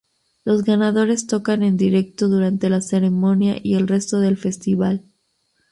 Los ganadores tocan en directo durante la ceremonia y el resto del festival.